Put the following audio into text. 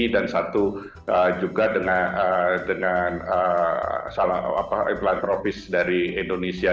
dan satu juga dengan filantropis dari indonesia